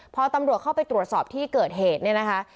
พอตำรวจเข้าไปตรวจสอบที่เกิดเหตุเนี่ยนะคะ